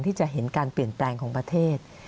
ที่จะเห็นการเปลี่ยนแปลงของประเทศ